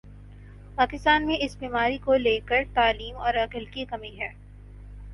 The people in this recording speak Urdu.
پاکستان میں اس بیماری کو لے کر تعلیم اور عقل کی کمی ہے